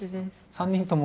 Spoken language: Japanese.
３人とも。